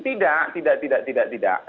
tidak tidak tidak tidak tidak